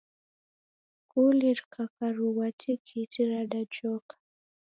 Skuli rikakarughwa tikiti radajoka.